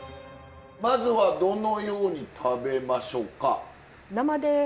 まずはどのように食べましょうか？